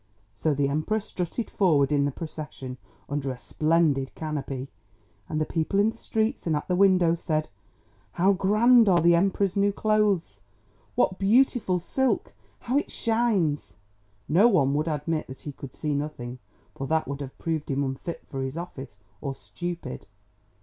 So the Emperor strutted forward in the procession under a splendid canopy, and the people in the streets and at the windows said, "How grand are the Emperor's new clothes! What beautiful silk, how it shines!" No one would admit that he could see nothing, for that would have proved him unfit for his office, or stupid.